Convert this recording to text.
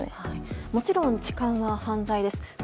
もちろん痴漢は犯罪です。